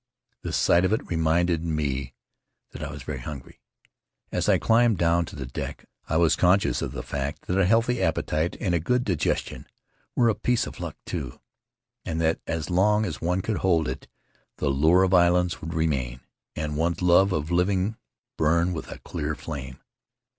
The sight of it reminded me that I was very hungry. As I climbed down to the deck I was conscious of the fact that a healthy appetite and a good digestion were a piece of luck, too, and that as long as one could hold it the lure of islands would remain, and one's love of living burn with a clear flame.